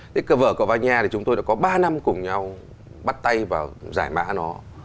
thế cái vở cậu vanya thì chúng tôi đã có ba năm cùng nhau bắt tay và giải mã nó